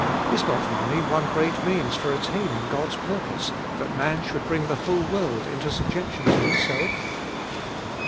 Is not money one great means for attaining God's purpose, that man should bring the whole world into subjection to himself?